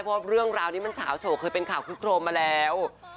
เพราะเรื่องราวนี้มันเฉาโฉกเคยเป็นข่าวคึกโครมมาแล้ว